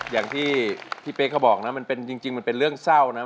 อย่างที่พี่เป๊กเขาบอกนะมันเป็นจริงมันเป็นเรื่องเศร้านะ